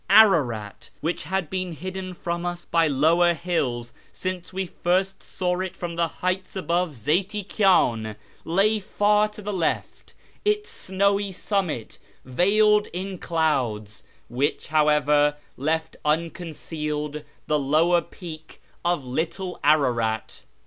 Ararat (which had been hidden from us by lower hills since we first saw it from the heights above Zeyti Kyan) lay far to the left, its snowy summit veiled in clouds, which, however, left unconcealed the lower peak of little Ararat.